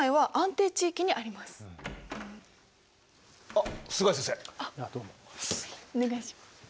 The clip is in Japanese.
お願いします。